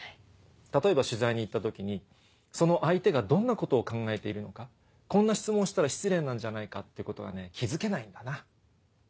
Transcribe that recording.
例えば取材に行った時にその相手がどんなことを考えているのかこんな質問したら失礼なんじゃないかっていうことが気付けないんだな。